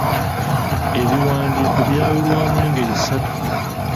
Ebiwandiiko byawulwamu engeri ssatu.